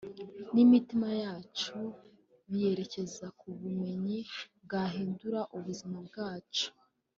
n’imitima yacu biyerekeza ku bumenyi bwahindura ubuzima bwacu